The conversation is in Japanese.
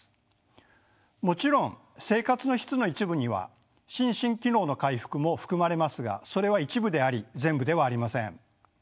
もちろん生活の質の一部には心身機能の回復も含まれますがそれは一部であり全部ではありません。